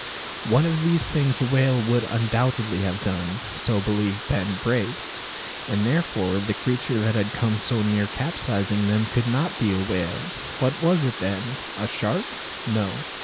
One of these things a whale would undoubtedly have done. So believed Ben Brace; and therefore the creature that had come so near capsizing them could not be a whale. What was it, then? A shark? No.